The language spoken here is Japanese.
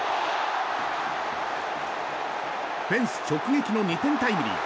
フェンス直撃の２点タイムリー。